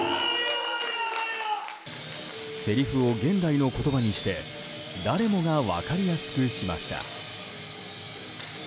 せりふを現代の言葉にして誰もが分かりやすくしました。